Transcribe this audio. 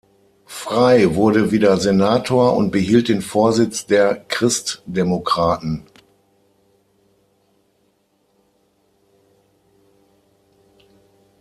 Frei wurde wieder Senator und behielt den Vorsitz der Christdemokraten.